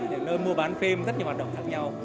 những nơi mua bán phim rất nhiều hoạt động khác nhau